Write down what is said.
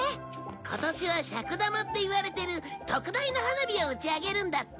今年は尺玉っていわれてる特大の花火を打ち上げるんだって。